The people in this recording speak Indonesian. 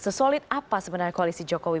sesolid apa sebenarnya koalisi jokowi